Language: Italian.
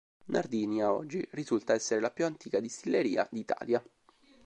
Nardini a oggi risulta essere la più antica distilleria d'Italia.